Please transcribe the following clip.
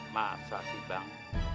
masa sih bang